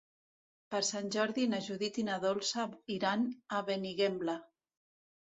Per Sant Jordi na Judit i na Dolça iran a Benigembla.